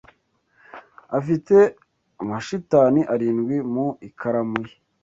Afite amashitani arindwi mu ikaramu ye